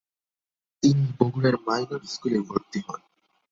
তিনি বগুড়ার মাইনর স্কুলে ভর্তি হন।